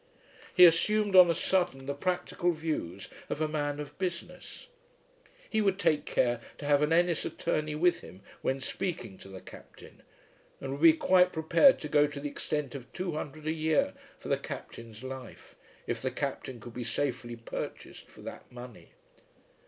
He assumed on a sudden the practical views of a man of business. He would take care to have an Ennis attorney with him when speaking to the Captain, and would be quite prepared to go to the extent of two hundred a year for the Captain's life, if the Captain could be safely purchased for that money.